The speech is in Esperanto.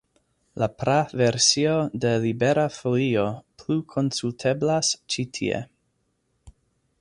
La praversio de Libera Folio plu konsulteblas ĉi tie.